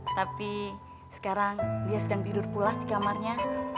tapi sekarang dia sedang tidur pulas di kamarnya